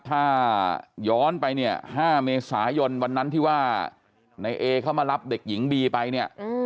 ถ้าย้อนไปเนี่ย๕เมษายนวันนั้นที่ว่าในเอเขามารับเด็กหญิงบีไปเนี่ย